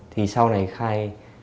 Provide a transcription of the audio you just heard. thì sau này khai